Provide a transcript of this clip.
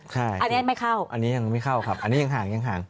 ใช่อันนี้ไม่เข้าอันนี้ยังไม่เข้าครับอันนี้ยังห่างยังห่าง